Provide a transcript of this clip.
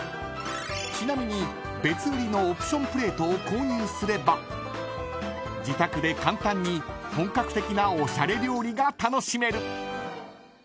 ［ちなみに別売りのオプションプレートを購入すれば自宅で簡単に本格的なおしゃれ料理が楽しめる！］